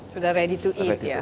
sudah ready to eat ya